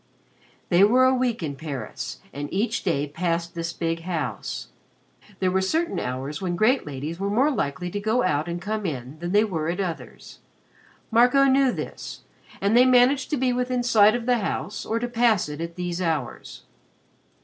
They were a week in Paris and each day passed this big house. There were certain hours when great ladies were more likely to go out and come in than they were at others. Marco knew this, and they managed to be within sight of the house or to pass it at these hours.